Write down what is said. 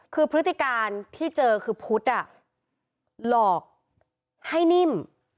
คือพฤติการที่เจอคือพุทธหลอกให้นิ่ม